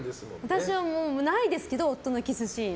私はないですけど、夫のキスシーン。